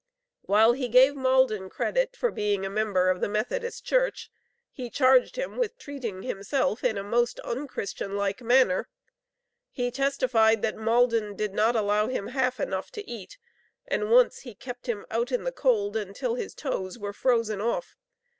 While he gave Maldon credit for being a member of the Methodist Church, he charged him with treating himself in a most unchristian like manner. He testified that Maldon did not allow him half enough to eat; and once he kept him out in the cold until his toes were frozen off.